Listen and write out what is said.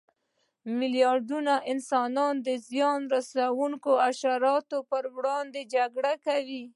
میلیاردونه انسانانو د زیان رسونکو حشراتو پر وړاندې جګړه کړې.